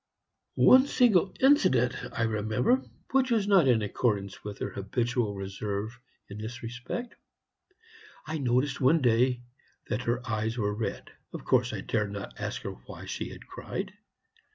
"One single incident I remember which was not in accordance with her habitual reserve in this respect. I noticed one day that her eyes were red. Of course I dared not ask her why she had cried.